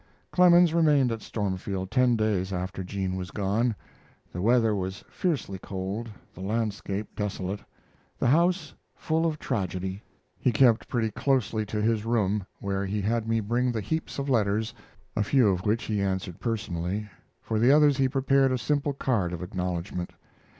Clemens remained at Stormfield ten days after Jean was gone. The weather was fiercely cold, the landscape desolate, the house full of tragedy. He kept pretty closely to his room, where he had me bring the heaps of letters, a few of which he answered personally; for the others he prepared a simple card of acknowledgment.